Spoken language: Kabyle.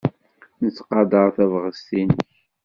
Nettqadar tabɣest-nnek.